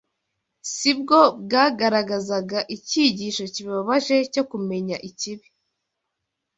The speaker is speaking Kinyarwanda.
si bwo bwagaragazaga icyigisho kibabaje cyo kumenya ikibi